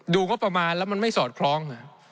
งบประมาณแล้วมันไม่สอดคล้อง